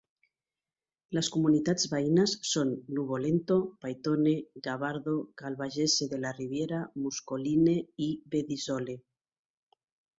Les comunitats veïnes són Nuvolento, Paitone, Gavardo, Calvagese della Riviera, Muscoline i Bedizzole.